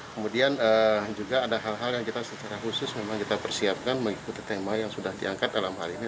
kemudian juga ada hal hal yang kita secara khusus memang kita persiapkan mengikuti tema yang sudah diangkat dalam hal ini